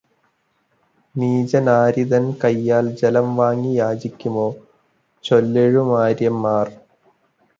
നീചനാരിതൻ കൈയാൽ ജലം വാങ്ങി യാചമിക്കുമോ ചൊല്ലെഴുമാര്യന്മാർ?